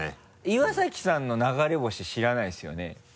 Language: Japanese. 岩崎さんの流れ星知らないですよね？